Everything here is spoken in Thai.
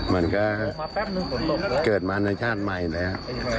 มันก็เกิดมาในชาติใหม่แล้ว